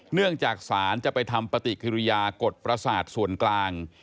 เนื่องจากศาลจะไปทำปฏิกิริยากฎประสาทส่วนกลาง